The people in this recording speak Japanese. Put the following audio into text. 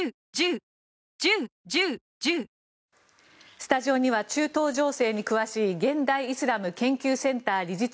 スタジオには中東情勢に詳しい現代イスラム研究センター理事長